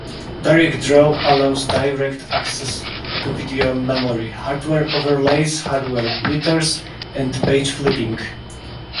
DirectDraw allows direct access to video memory, hardware overlays, hardware blitters, and page flipping.